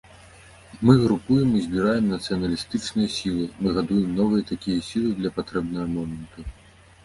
Мы групуем і збіраем нацыяналістычныя сілы, мы гадуем новыя такія сілы для патрэбнага моманту.